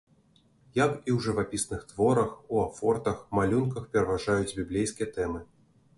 Як і ў жывапісных творах, у афортах, малюнках пераважаюць біблейскія тэмы.